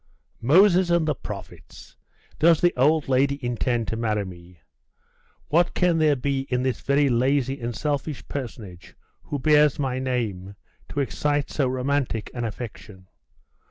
'Moses and the prophets! Does the old lady intend to marry me? What can there be in this very lazy and selfish personage who bears my name, to excite so romantic an affection?